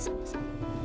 saya bukan cipta